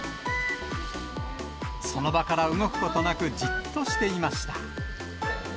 その場から動くことなく、じっとしていました。